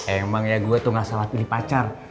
emang ya gue tuh gak salah pilih pacar